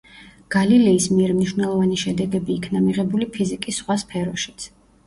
გალილეის მიერ მნიშვნელოვანი შედეგები იქნა მიღებული ფიზიკის სხვა სფეროშიც.